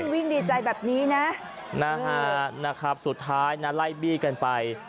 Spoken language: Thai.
วิ่งดีใจแบบนี้นะนะฮะสุดท้ายนะไล่บี้กันไป